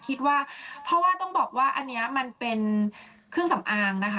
คิดว่าเพราะว่าต้องบอกว่าอันนี้มันเป็นเครื่องสำอางนะคะ